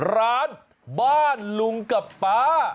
ร้านบ้านลุงกับป๊า